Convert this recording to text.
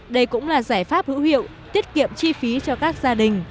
đây cũng là giải pháp hữu hiệu tiết kiệm chi phí cho các gia đình